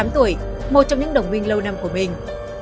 tám tuổi một trong những đồng minh lâu năm của mình